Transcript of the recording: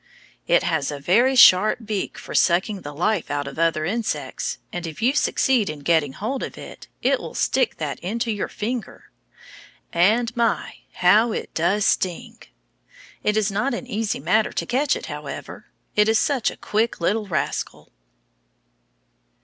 It has a very sharp beak for sucking the life out of other insects, and if you succeed in getting hold of it, it will stick that into your finger. And my! how it does sting! It is not an easy matter to catch it, however, it is such a quick little rascal.